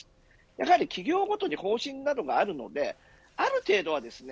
やはり企業ごとに方針などがあるためある程度はですね